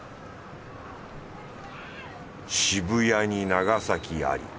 渋谷に長崎あり。